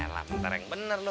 lama ntar yang bener lo